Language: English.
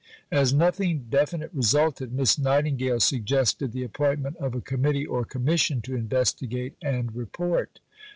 As nothing definite resulted, Miss Nightingale suggested the appointment of a Committee or Commission to investigate and report.